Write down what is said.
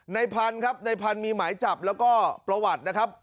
ในพันธุ์ครับในพันธุ์มีหมายจับแล้วก็ประวัตินะครับ